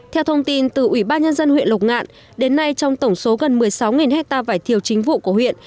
theo thông tin từ ủy ban nhân dân huyện lục ngạn đến nay trong tổng số gần một mươi sáu hectare vải thiều chính vụ của huyện